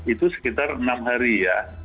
itu sekitar enam hari ya